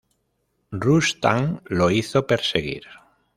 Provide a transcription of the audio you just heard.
Rustam lo hizo perseguir.